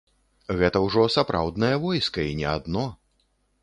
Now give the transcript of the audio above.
Гэта ўжо сапраўднае войска і не адно.